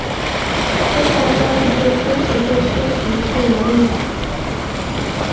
这项交易对天使队事实上是有利的。